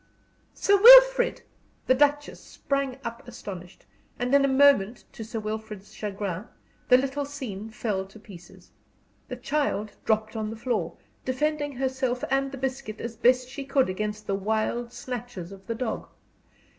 "Sir Wilfrid!" The Duchess sprang up astonished, and in a moment, to Sir Wilfrid's chagrin, the little scene fell to pieces. The child dropped on the floor, defending herself and the biscuit as best she could against the wild snatches of the dog.